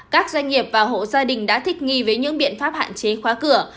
các doanh nghiệp và hộ gia đình đã thích nghi với những biện pháp hạn chế khóa cửa